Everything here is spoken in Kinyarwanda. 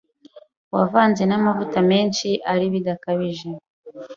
wavanze n’amavuta menshi ari bidakabije